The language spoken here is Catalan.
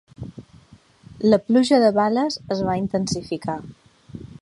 La pluja de bales es va intensificar.